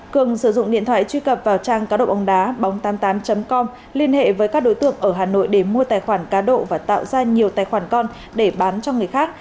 cường sử dụng điện thoại truy cập vào trang cá độ bóng đá bóng tám mươi tám com liên hệ với các đối tượng ở hà nội để mua tài khoản cá độ và tạo ra nhiều tài khoản con để bán cho người khác